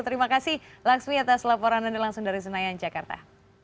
terima kasih laksmi atas laporan anda langsung dari senayan jakarta